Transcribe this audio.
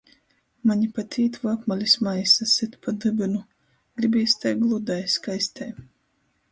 Maņ pat ītvu apmalis maisa, syt pa dybynu. gribīs tai gludai, skaistai.